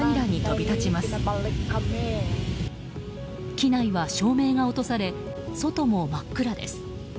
機内は照明が落とされ外も真っ暗です。